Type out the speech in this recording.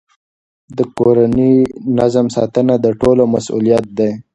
د کورني نظم ساتنه د ټولو مسئولیت دی.